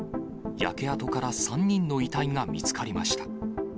焼け跡から３人の遺体が見つかりました。